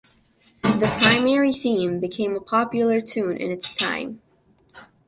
The primary theme became a popular tune in its time.